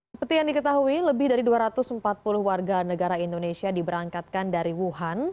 seperti yang diketahui lebih dari dua ratus empat puluh warga negara indonesia diberangkatkan dari wuhan